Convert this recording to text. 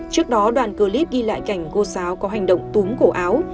trước đó đoàn clip ghi lại cảnh cô giáo có hành động túng cổ áo